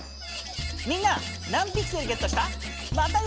みんな何ピクセルゲットした？